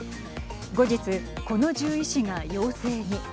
後日、この獣医師が陽性に。